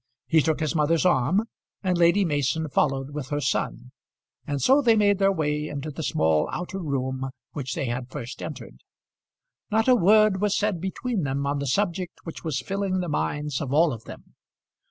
He took his mother's arm, and Lady Mason followed with her son, and so they made their way into the small outer room which they had first entered. Not a word was said between them on the subject which was filling the minds of all of them.